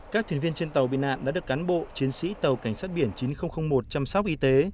các thuyền viên trên tàu bị nạn đã được cán bộ chiến sĩ tàu cảnh sát biển chín nghìn một chăm sóc y tế